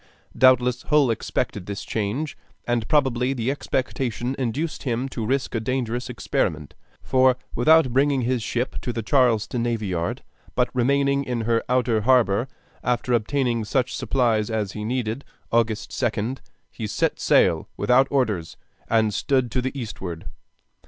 Doubtless Hull expected this change, and probably the expectation induced him to risk a dangerous experiment; for without bringing his ship to the Charlestown Navy Yard, but remaining in the outer harbor, after obtaining such supplies as he needed, August 2d, he set sail without orders, and stood to the eastward.